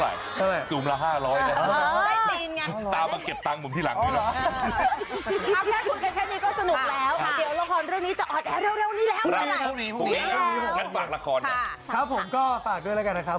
แล้วจะมาเป็นนักข่าวเพราะเรื่องการ